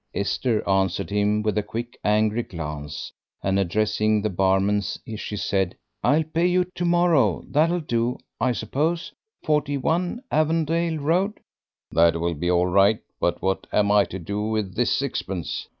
Esther answered him with a quick, angry glance, and addressing the barman, she said, "I'll pay you to morrow; that'll do, I suppose? 41 Avondale Road." "That will be all right, but what am I to do with this sixpence?"